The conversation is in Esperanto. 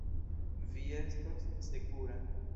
Vi estos sekura.